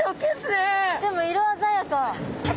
でも色鮮やか。